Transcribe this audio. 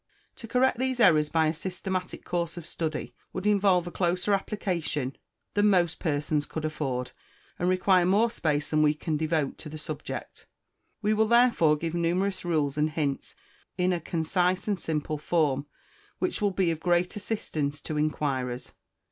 To correct these errors by a systematic course of study would involve a closer application than most persons could afford, and require more space than we can devote to the subject. We will therefore give numerous Rules and Hints, in a concise and simple form, which will be of great assistance to inquirers.